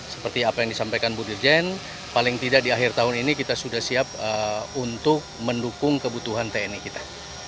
seperti apa yang disampaikan bu dirjen paling tidak di akhir tahun ini kita sudah siap untuk mendukung kebutuhan tni kita